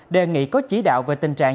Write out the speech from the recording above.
đề nghị có chỉ đạo về tình trạng